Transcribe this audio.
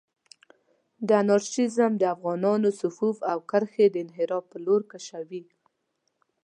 دا انارشېزم د افغانانانو صفوف او کرښې انحراف پر لور کشوي.